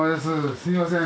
すいません。